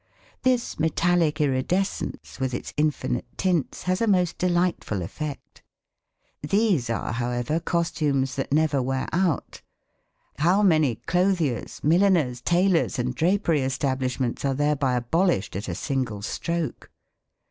This metallic iridescence with its infinite tints has a most delightful effect. These are, however, costumes that never wear out. How many clothiers, milliners, tailors, and drapery establishments are thereby abolished at a single stroke!